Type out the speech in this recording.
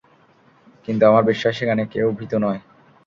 কিন্তু আমার বিশ্বাস সেখানে কেউই ভীতু নয়।